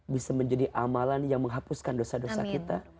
bisa menjadi amalan yang menghapuskan dosa dosa kita